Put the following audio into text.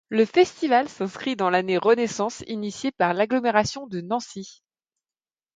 Le festival s'inscrit dans l'année Renaissance initiée par l'agglomération de Nancy.